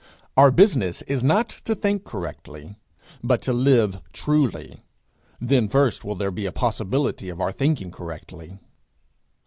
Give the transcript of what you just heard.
Our business is not to think correctly, but to live truly; then first will there be a possibility of our thinking correctly.